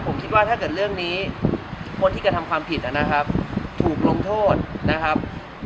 ผมคิดว่าถ้าเกิดเรื่องนี้คนที่กระทำความผิดนะครับถูกลงโทษนะครับ